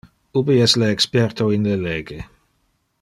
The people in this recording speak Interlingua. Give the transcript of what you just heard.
Ubi es le experto in le lege?